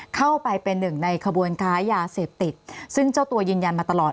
เข้าไปเป็นหนึ่งในขบวนค้ายาเสพติดซึ่งเจ้าตัวยืนยันมาตลอด